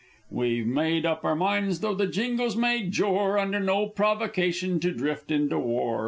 _) We've made up our minds though the Jingoes may jor Under no provocation to drift into war!